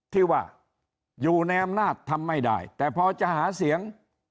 ที่ว่าอยู่ในอำนาจทำไม่ได้แต่พอจะหาเสียง